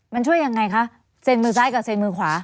มันช่วยยังไงคะเซ็นมือซ้ายกับเซ็นมือขวา